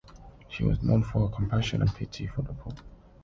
She was known for her "compassion and pity" for the poor.